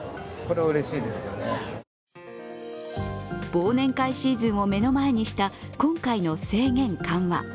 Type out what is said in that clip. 忘年会シーズンを目の前にした今回の制限緩和。